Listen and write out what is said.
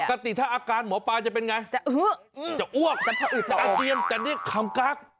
ปกติถ้าอาการหมอป้าจะเป็นไงจะอ้วกจะอาเจียมจะเรียกขำกาก